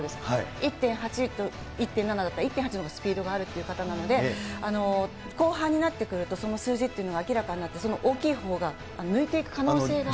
１．８と１．７だったら、１．８のほうがスピードがあるってことなので、後半になってくると、その数字っていうのが明らかになって、大きいほうが抜いていく可能性がある。